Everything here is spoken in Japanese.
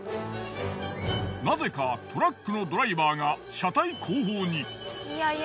ナゼかトラックのドライバーが車体後方に。